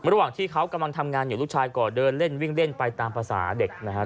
ระหว่างที่เขากำลังทำงานอยู่ลูกชายก็เดินเล่นวิ่งเล่นไปตามภาษาเด็กนะครับ